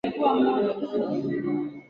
frg ulisoma hapa inamaanisha nini